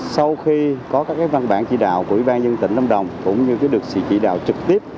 sau khi có các văn bản chỉ đạo của ủy ban nhân tỉnh lâm đồng cũng như được sự chỉ đạo trực tiếp